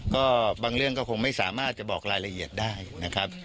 ก็บางเรื่องก็คงไม่สามารถจะบอกรายละเอียดได้นะครับ